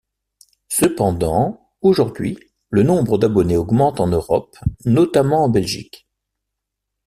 Cependant, aujourd'hui, le nombre d'abonnés augmente en Europe, notamment en Belgique.